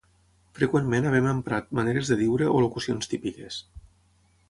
Freqüentment havem emprat maneres de diure o locucions típiques